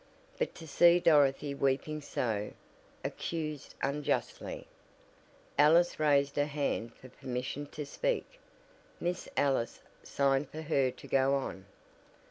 But to see Dorothy weeping so, accused unjustly! Alice raised her hand for permission to speak. Miss Ellis signed for her to go on.